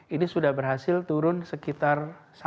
ini sudah berhasil turun sekitar